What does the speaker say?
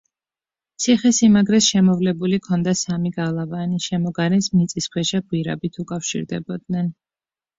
ციხე-სიმაგრეს შემოვლებული ჰქონდა სამი გალავანი, შემოგარენს მიწისქვეშა გვირაბით უკავშირდებოდნენ.